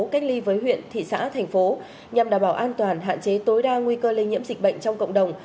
cách ly với huyện thị xã thành phố nhằm đảm bảo an toàn hạn chế tối đa nguy cơ lây nhiễm dịch bệnh trong cộng đồng